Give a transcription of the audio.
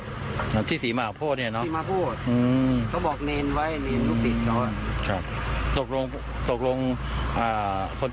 วันนี้เป็นพระแน่นอนนะครับ